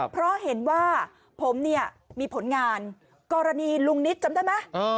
เพราะเห็นว่าผมเนี่ยมีผลงานกรณีลุงนิตจำได้ไหม